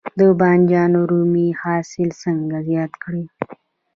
د بانجان رومي حاصل څنګه زیات کړم؟